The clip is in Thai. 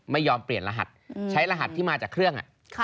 ไม่ยอมเปลี่ยนรหัสใช้รหัสที่มาจากเครื่อง